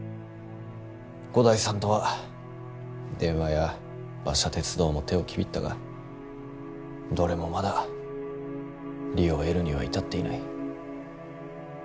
五代さんとは電話や馬車鉄道も手をきびったがどれも、まだ利を得るには至っていない。